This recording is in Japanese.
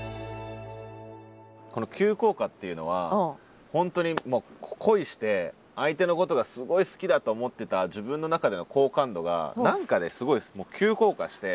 この「急降下」っていうのは本当に恋して相手のことがすごい好きだと思ってた自分の中での好感度が何かですごい急降下して。